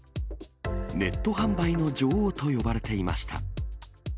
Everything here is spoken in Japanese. ネット販売の女王と呼ばれていました。